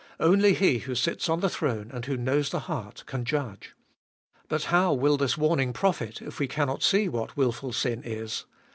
Only He who sits on the throne, and who knows the heart, can judge. But how will this warning profit, if we cannot see what wilful sin is